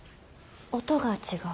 音が違う？